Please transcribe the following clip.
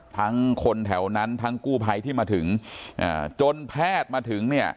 ทั้งคนแถวนั้นทั้งกู้ไพที่มาถึงจนแพทย์มาถึง